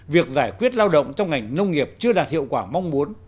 việc giải quyết lao động trong ngành nông nghiệp chưa đạt hiệu quả mong muốn